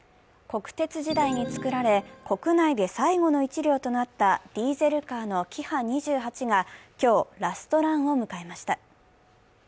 国鉄時代に作られ、国内で最後の１両となったディーゼルカーのキハ２８が今日、ラストランを迎えました。